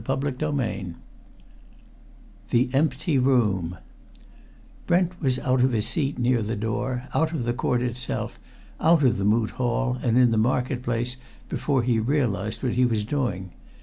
CHAPTER XXV THE EMPTY ROOM Brent was out of his seat near the door, out of the court itself, out of the Moot Hall, and in the market place before he realized what he was doing.